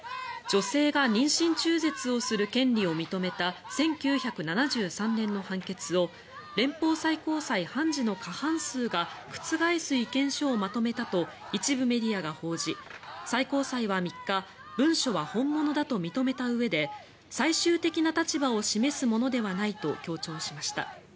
女性が妊娠中絶をする権利を認めた１９７３年の判決を連邦最高裁判事の過半数が覆す意見書をまとめたと一部メディアが報じ最高裁は３日文書は本物だと認めたうえで最終的な立場を示すものではないと強調しました。